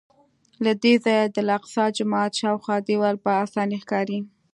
له دې ځایه د الاقصی جومات شاوخوا دیوال په اسانۍ ښکاري.